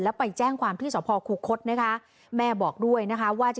แล้วไปแจ้งความที่สคุคศแม่บอกด้วยว่า